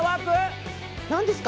何ですか？